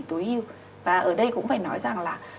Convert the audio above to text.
tối ưu và ở đây cũng phải nói rằng là